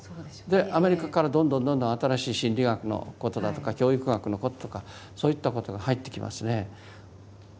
アメリカからどんどんどんどん新しい心理学のことだとか教育学のこととかそういったことが入ってきますね。